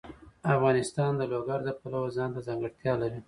افغانستان د لوگر د پلوه ځانته ځانګړتیا لري.